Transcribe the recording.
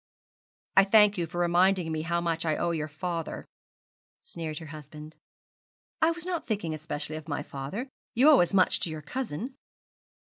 'I thank you for reminding me how much I owe your father,' sneered her husband. 'I was not thinking especially of my father. You owe as much to your cousin.'